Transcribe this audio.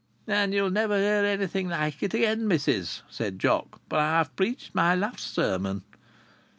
"And you'll never hear anything like it again, missis," said Jock, "for I've preached my last sermon."